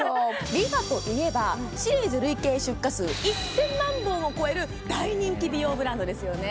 ＲｅＦａといえばシリーズ累計出荷数１０００万本を超える大人気美容ブランドですよね